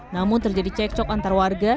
namun terjadi cekcok antar warga